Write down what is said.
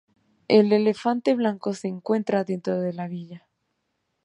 El Elefante Blanco se encuentra dentro de la villa.